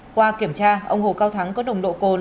qua kiểm tra ông hồ cao thắng có nồng độ cồn